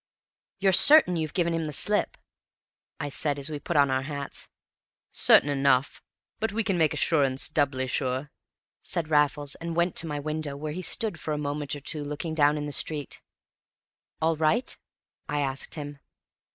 "You're certain you've given him the slip?" I said, as we put on our hats. "Certain enough; but we can make assurance doubly sure," said Raffles, and went to my window, where he stood for a moment or two looking down into the street. "All right?" I asked him.